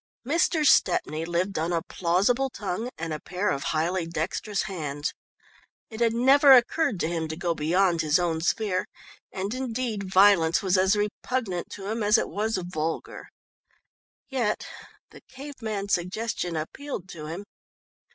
Mr. Stepney lived on a plausible tongue and a pair of highly dexterous hands. It had never occurred to him to go beyond his own sphere, and indeed violence was as repugnant to him as it was vulgar. Yet the cave man suggestion appealed to him.